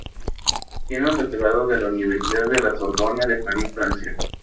Tiene un doctorado de la Universidad de la Sorbona de París, Francia.